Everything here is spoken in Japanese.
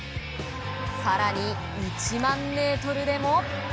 さらに１００００ｍでも。